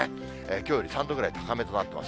きょうより３度ぐらい高めとなっています。